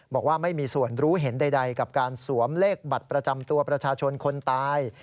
บอกว่าไม่มีส่วนรู้เห็นใดกับการสวมเลขบัตรประจำตัวประชาชนคนตาย